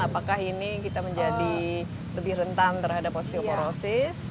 apakah ini kita menjadi lebih rentan terhadap osteoporosis